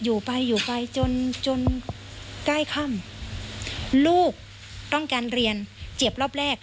อยู่ไปอยู่ไปจนจนใกล้ค่ำลูกต้องการเรียนเจ็บรอบแรก